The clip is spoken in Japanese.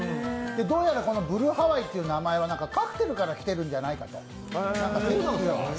どうやらこのブルーハワイという名前はカクテルからきているのではないかと。